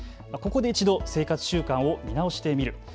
ここで一度、生活習慣を見直してみる。